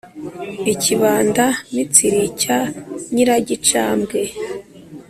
i kibanda-mitsiri cya nyiragicambwe